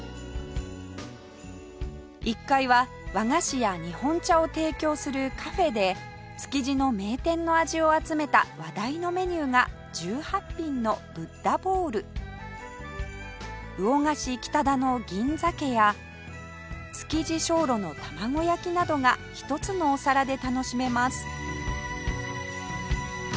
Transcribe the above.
１階は和菓子や日本茶を提供するカフェで築地の名店の味を集めた話題のメニューが「１８品のブッダボウル」魚がし北田の銀鮭やつきぢ松露の卵焼きなどが一つのお皿で楽しめます